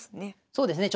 そうですね。